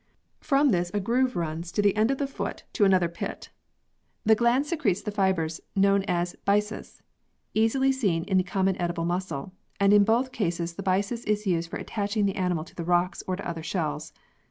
From this a groove runs to the end of the foot to another pit. The gland secretes the fibres known as byssus, easily seen in the common edible mussel, and in both cases the byssus is used for attaching the animal to 28 PEARLS [CH. the rocks or to other shells.